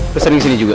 pesan ini sini juga